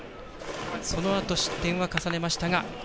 そのあと失点は重ねましたが。